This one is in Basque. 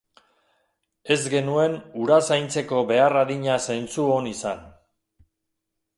Ez genuen hura zaintzeko behar adina zentzu on izan.